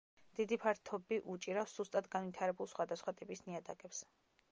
დიდი ფართობი უჭირავს სუსტად განვითარებულ სხვადასხვა ტიპის ნიადაგებს.